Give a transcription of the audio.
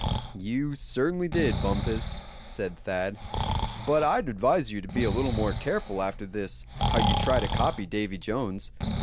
"You certainly did, Bumpus," said Thad; "but I'd advise you to be a little more careful after this how you try to copy Davy Jones.